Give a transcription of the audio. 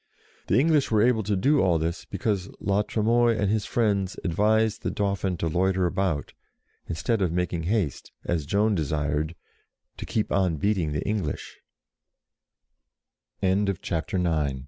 The English were able to do all this because La Tre moille and his friends advised the Dauphin to loiter about, instead of making haste, as Joan desired, to keep on beating the En